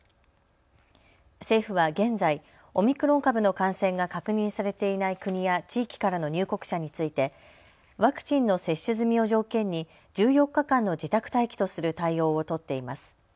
政府は現在、オミクロン株の感染が確認されていない国や地域からの入国者についてワクチンの接種済みを条件に１４日間の自宅待機とする対応を取っています。